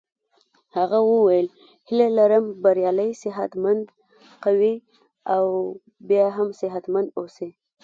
هغه وویل هیله لرم بریالی صحت مند قوي او بیا هم صحت مند اوسې.